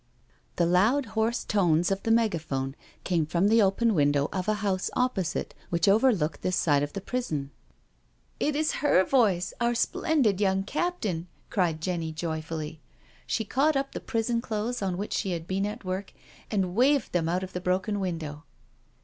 The loud, hoarse tones of the megaphone came from the open window of a house opposite, which overlooked this side of the prison. " It is her voice — our splendid young Captain 1 " cried Jenny joyfully. She caught up the prison clothes on which she had been at work, and waved them out of the broken window.